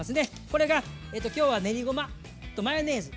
これが今日は練りごまとマヨネーズ。